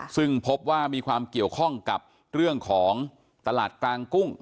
ซึ่งพบว่ามีความเกี่ยวข้องกับเรื่องของตลาดกลางกุ้ง